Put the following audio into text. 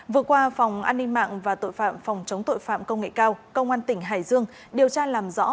vừa qua phòng an ninh mạng và tội phạm phòng chống tội phạm công nghệ cao công an tỉnh hải dương điều tra làm rõ